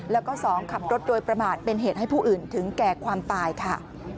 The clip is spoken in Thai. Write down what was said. แล้วก็๒ขับรถโดยประมาทเป็นเหตุให้ผู้อื่นถึงแก่ความตายค่ะ